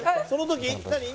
「“その時”？何？」